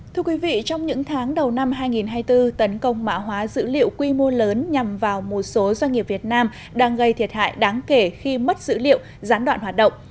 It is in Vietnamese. thưa quý vị trong những tháng đầu năm hai nghìn hai mươi bốn tấn công mạng hóa dữ liệu quy mô lớn nhằm vào một số doanh nghiệp việt nam đang gây thiệt hại đáng kể khi mất dữ liệu gián đoạn hoạt động